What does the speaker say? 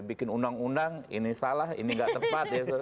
bikin undang undang ini salah ini tidak tepat